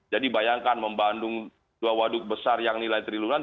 jadi bayangkan membandung dua waduk besar yang nilai triliunan